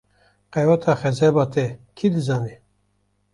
Qeweta xezeba te kî dizane?